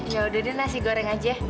ya udah deh nasi goreng aja